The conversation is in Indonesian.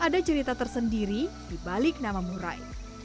ada cerita tersendiri di balik nama murai